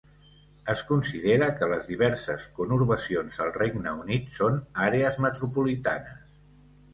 Es considera que les diverses conurbacions al Regne Unit són àrees metropolitanes.